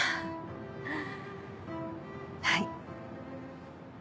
はい。